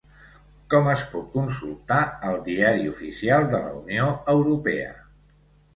Com es pot consultar el Diari Oficial de la Unió Europea?